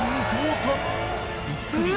びっくり。